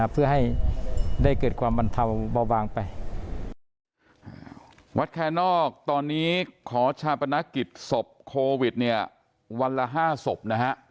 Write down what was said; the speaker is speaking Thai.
วัดแคนนอกตอนนี้ขอชาปนักกิจศพโควิดเนี่ยวันละ๕ศพนะฮะ